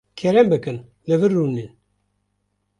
Kerem bikin, li vir rûnin.